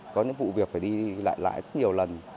có những vụ việc phải đi lại lại rất nhiều lần